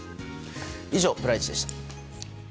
以上、プライチでした。